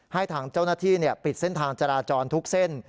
ให้ทางเจ้าหน้าที่ปิดเส้นทางจราจรทุกเส้น